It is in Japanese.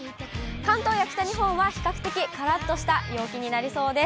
関東や北日本は、比較的からっとした陽気になりそうです。